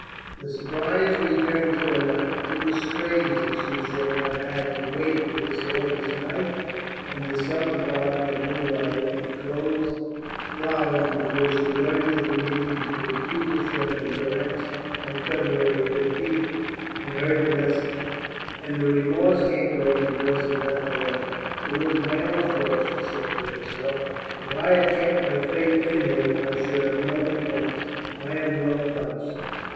The surprise returned to her now. It was strange that she should have had to wait for this August night and this summer garden of moonlight and closed flowers before she learned of the meeting between Feversham and Durrance on February 15 and heard the message. And remorse came to her because of that delay. "It was my own fault," she said to herself. "If I had kept my faith in him I should have known at once. I am well punished."